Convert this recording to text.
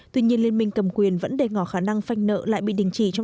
tuy nhiên liên minh cầm quyền vẫn đề ngỏ khả năng phanh nợ lại bị đình chỉ trong